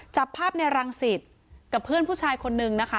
จับภาพในรังสิตกับเพื่อนผู้ชายคนนึงนะคะ